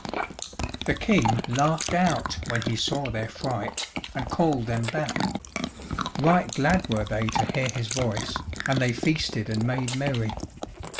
The King laughed out when he saw their fright, and called them back. Right glad were they to hear his voice, and they feasted and made merry.